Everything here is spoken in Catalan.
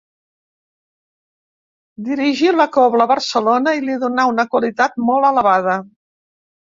Dirigí la Cobla Barcelona i li donà una qualitat molt elevada.